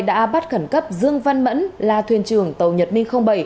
đã bắt khẩn cấp dương văn mẫn là thuyền trưởng tàu nhật minh bảy